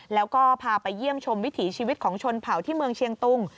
แล้วก็พาไปเยี่ยมชมวิถีชีวิตของชนเผาที่เมืองเชียงตุง